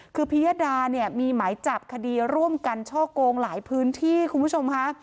คือพิยดาเนี่ยมีหมายจับคดีร่วมกันช่อกงหลายพื้นที่คุณผู้ชมค่ะ